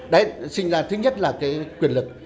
đấy sinh ra thứ nhất là quyền lực